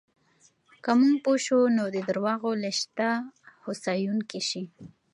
که موږ پوه شو، نو د درواغو له شته هوسایونکی شي.